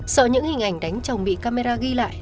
sau những hình ảnh đánh chồng bị camera ghi lại